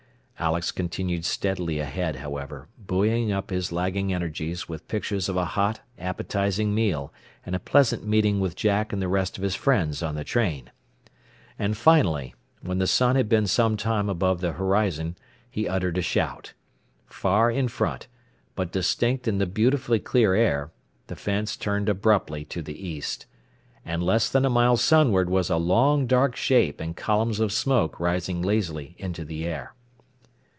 Alex continued steadily ahead, however, buoying up his lagging energies with pictures of a hot, appetizing meal and a pleasant meeting with Jack and the rest of his friends on the train. And finally, when the sun had been some time above the horizon, he uttered a shout. Far in front, but distinct in the beautifully clear air, the fence turned abruptly to the east. And less than a mile sun ward was a long dark shape and columns of smoke rising lazily into the air.